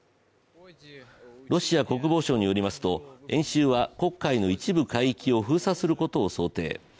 ロシア国防省によりますと演習は黒海の一部海域を封鎖することを想定。